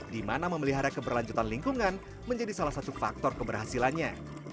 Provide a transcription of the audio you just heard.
di mana memelihara keberlanjutan lingkungan menjadi salah satu faktor keberhasilannya